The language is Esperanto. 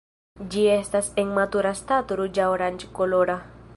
Ĝi estas en matura stato ruĝa-oranĝkolora.